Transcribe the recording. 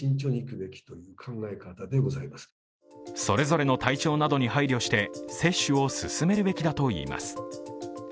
それぞれの体調などに配慮して接種を進めるべきだといいます。